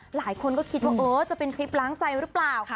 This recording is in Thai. หลายคนก็คิดว่าเออจะเป็นทริปล้างใจหรือเปล่า